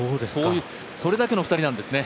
それだけの２人なんですね。